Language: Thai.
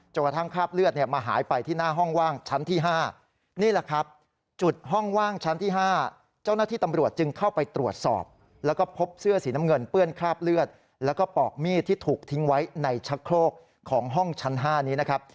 กระทั่งคราบเลือดเนี่ยมาหายไปที่หน้าห้องว่างชั้นที่๕นี่แหละครับจุดห้องว่างชั้นที่๕เจ้าหน้าที่ตำรวจจึงเข้าไปตรวจสอบแล้วก็พบเสื้อสีน้ำเงินเปื้อนคราบเลือดแล้วก็ปอกมีดที่ถูกทิ้งไว้ในชะโครกของห้องชั้น๕นี้นะครับ